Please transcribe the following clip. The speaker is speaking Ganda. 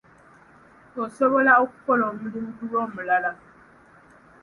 Osobola okukola omulimu ku lw'omulala.